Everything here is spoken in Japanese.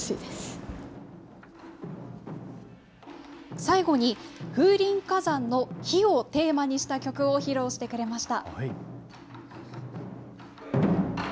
最後に風林火山の火をテーマにした曲を披露してくれました。